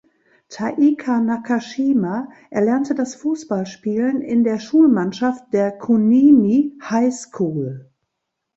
Taika Nakashima erlernte das Fußballspielen in der Schulmannschaft der "Kunimi High School".